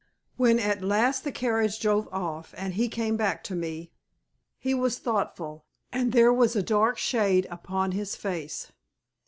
When at last the carriage drove off and he came back to me, he was thoughtful, and there was a dark shade upon his face.